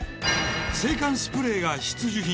制汗スプレーが必需品。